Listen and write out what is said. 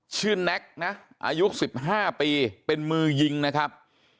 แน็กนะอายุ๑๕ปีเป็นมือยิงนะครับ